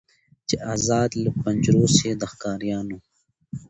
چي آزاد له پنجرو سي د ښکاریانو